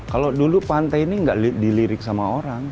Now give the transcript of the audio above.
kalau dulu pantai ini nggak dilirik sama orang